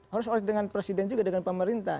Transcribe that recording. harus dengan presiden juga dengan pemerintah